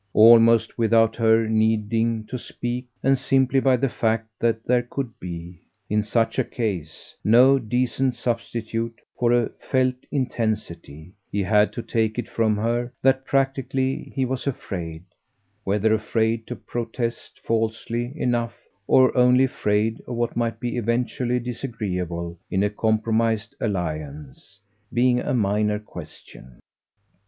Almost without her needing to speak, and simply by the fact that there could be, in such a case, no decent substitute for a felt intensity, he had to take it from her that practically he was afraid whether afraid to protest falsely enough, or only afraid of what might be eventually disagreeable in a compromised alliance, being a minor question.